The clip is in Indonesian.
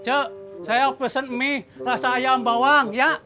cik saya mau pesen mie rasa ayam bawang ya